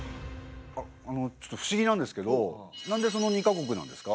あのちょっと不思議なんですけどなんでその２か国なんですか？